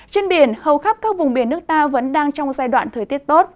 trên biển hầu khắp các vùng biển nước ta vẫn đang trong giai đoạn thời tiết tốt